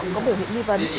có biểu hiện nghi vấn